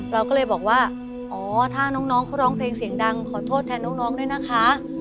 เราก็เลยบอกว่าอ๋อถ้าน้องเขาร้องเพลงเสียงดังขอโทษแทนน้องด้วยนะคะ